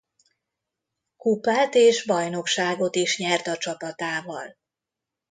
Kupát és bajnokságot is nyert a csapatával.